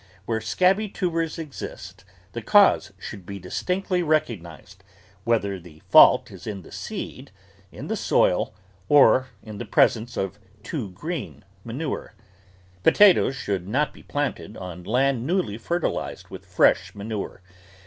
Where scabby tubers exist, the cause should be dis tinctly recognised, whether the fault is in the seed, in the soil, or in the presence of too green manure. Potatoes should not be planted on land newly fer tilised with fresh manure.